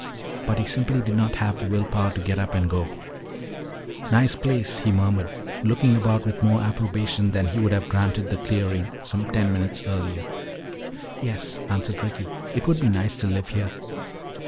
But he simply did not have the will power to get up and go. "Nice place," he murmured, looking about with more approbation than he would have granted the clearing some ten minutes earlier. "Yes," answered Ricky. "It would be nice to live here."